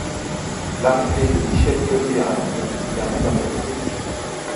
L'arrivée de Michel Thiollière à la mairie permet d'aplanir les disputes.